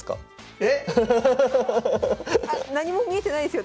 えっ⁉あっ何も見えてないですよ